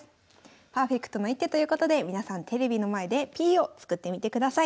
パーフェクトな一手ということで皆さんテレビの前でＰを作ってみてください。